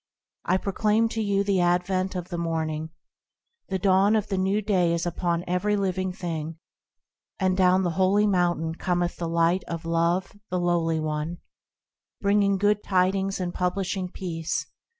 I proclaim to you the advent of the Morning; The dawn of the New Day is upon every living thing, And down the holy Mountain cometh the Light of Love, the Lowly One, Bringing good tidings and publishing peace.